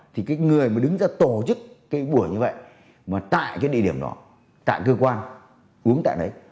thì cái người mà đứng ra tổ chức cái buổi như vậy mà tại cái địa điểm đó tại cơ quan uống tại đấy